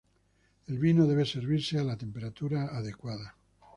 El vino debe servirse a la temperatura adecuada.